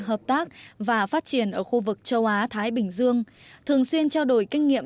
hợp tác và phát triển ở khu vực châu á thái bình dương thường xuyên trao đổi kinh nghiệm